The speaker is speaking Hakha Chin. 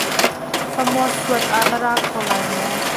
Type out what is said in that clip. Famua suat ah na ra kho lai maw?